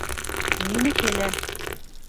Минеке лә.